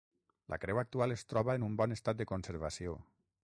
La creu actual es troba en un bon estat de conservació.